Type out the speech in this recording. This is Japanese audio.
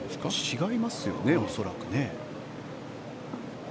違いますよね、恐らくね。